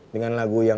dengan lagu yang